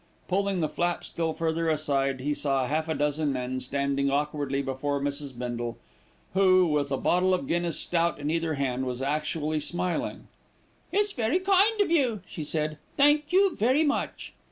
Pulling the flap still further aside, he saw half a dozen men standing awkwardly before Mrs. Bindle who, with a bottle of Guinness' stout in either hand, was actually smiling. "It's very kind of you," she said. "Thank you very much."